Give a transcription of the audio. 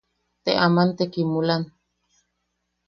Te aman te kimukan.